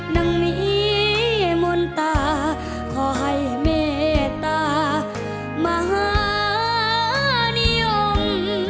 ดังมีมนตาขอให้เมตตามหานิยม